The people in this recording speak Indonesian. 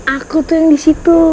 aku tuh yang di situ